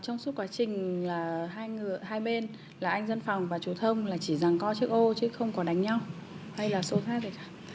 trong suốt quá trình là hai bên là anh dân phòng và chú thông là chỉ rằng co chiếc ô chứ không có đánh nhau hay là xô sát gì cả